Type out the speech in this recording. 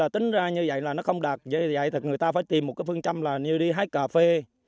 tính ra như vậy là nó không đạt người ta phải tìm một như đi hái cà phê